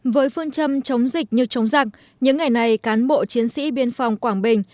với phương châm chống dịch như chống giặc những ngày này cán bộ chiến sĩ biên phòng quảng bình